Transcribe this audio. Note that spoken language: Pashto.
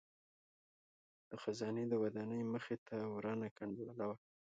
د خزانې د ودانۍ مخې ته ورانه کنډواله وه.